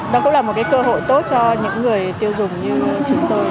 đó cũng là một cơ hội tốt cho những người tiêu dùng như chúng tôi